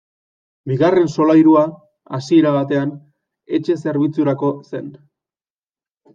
Bigarren solairua, hasiera batean, etxe-zerbitzurako zen.